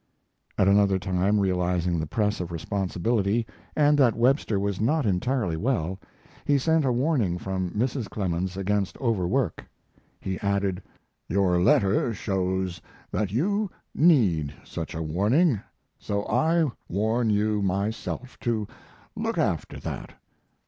At another time, realizing the press of responsibility, and that Webster was not entirely well, he sent a warning from Mrs. Clemens against overwork. He added: Your letter shows that you need such a warning. So I warn you myself to look after that.